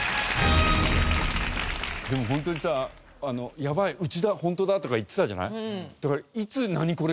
ホントにさ「やばいうちだホントだ」とか言ってたじゃない。